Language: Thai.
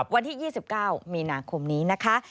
วันที่๒๙มีนาคมนี้นะคะ